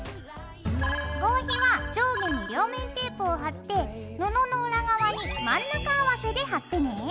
合皮は上下に両面テープを貼って布の裏側に真ん中合わせで貼ってね。